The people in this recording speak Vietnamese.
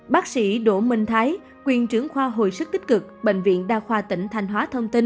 bác sĩ đỗ minh thái quyền trưởng khoa hồi sức tích cực bệnh viện đa khoa tỉnh thanh hóa thông tin